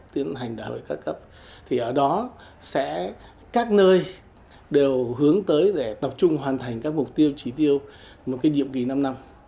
tiến hành đại hội ca cấp thì ở đó sẽ các nơi đều hướng tới để tập trung hoàn thành các mục tiêu chỉ tiêu một cái nhiệm kỳ năm năm